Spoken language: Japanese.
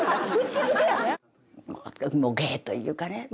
もう芸というかね。